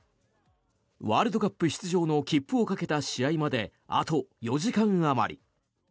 ワールドカップ出場の切符をかけた試合まであと４時間あまり。